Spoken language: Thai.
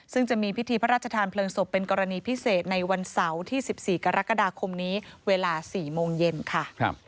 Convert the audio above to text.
ซึ่งจะมีพิธีพระราชทานเพลิงศพเป็นกรณีพิเศษในวันเสาร์ที่๑๔กรกฎาคมนี้เวลา๔โมงเย็นค่ะ